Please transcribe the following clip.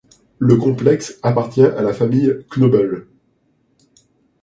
Le complexe appartient à la famille Knoebel.